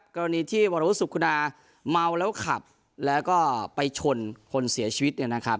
กรณีที่วรวุสุขุณาเมาแล้วขับแล้วก็ไปชนคนเสียชีวิต